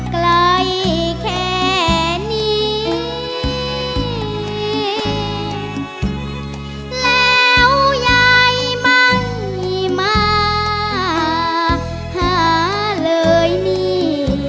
ใกล้แค่นี้แล้วยายไม่มาหาเลยนี่